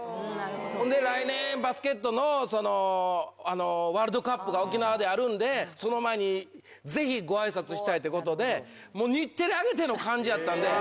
ほんで、来年、バスケットのワールドカップが沖縄であるんで、その前に、ぜひごあいさつしたいってことで、もう日テレ挙げての感じやったんで。